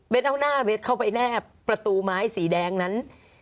เอาหน้าเบสเข้าไปแนบประตูไม้สีแดงนั้น